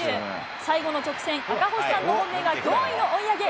最後の直線、赤星さんの本命が驚異の追い上げ。